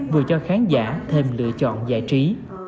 vừa cho khán giả thêm lựa chọn giải trí